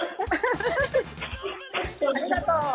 ありがとう